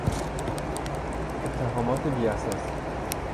اتهامات بیاساس